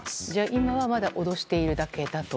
今はまだ脅しているだけだと。